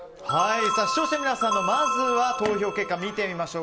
視聴者の皆さんの投票結果を見てみましょう。